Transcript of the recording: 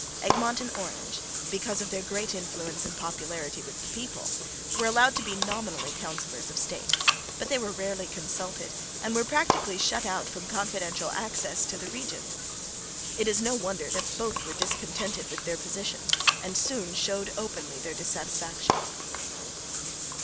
Egmont and Orange, because of their great influence and popularity with the people, were allowed to be nominally Councillors of State, but they were rarely consulted and were practically shut out from confidential access to the regent. It is no wonder that both were discontented with their position and soon showed openly their dissatisfaction.